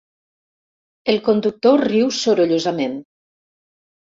El conductor riu sorollosament.